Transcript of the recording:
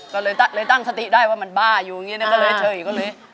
ก็เลยตั้งสติได้ว่ามันบ้าอยู่อย่างนี้ก็เลยเฉยก็เลย